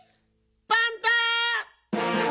パンタ！